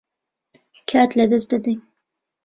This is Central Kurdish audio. کات لەدەست دەدەین.